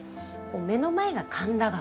目の前が神田川。